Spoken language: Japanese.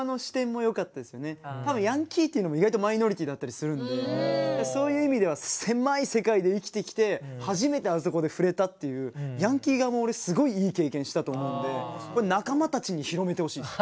多分ヤンキーっていうのも意外とマイノリティーだったりするんでそういう意味では狭い世界で生きてきて初めてあそこで触れたっていうヤンキー側も俺すごいいい経験したと思うんで仲間たちに広めてほしいんです。